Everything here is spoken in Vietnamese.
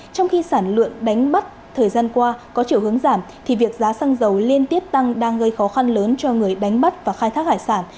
trong khi sản lượng đánh bắt thời gian qua có chiều hướng giảm thì việc giá xăng dầu liên tiếp tăng đang gây khó khăn lớn cho người đánh bắt và khai thác hải sản